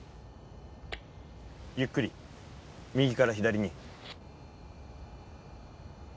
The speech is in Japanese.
ゆっくり右から左に。